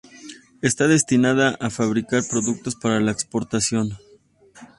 Está destinada a fabricar productos para la exportación.